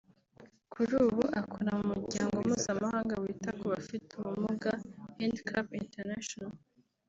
Kuri ubu akora mu muryango mpuzamahanga wita ku bafite ubumuga (Handicap International)